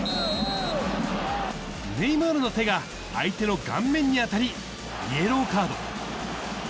ネイマールの手が相手の顔面に当たり、イエローカード。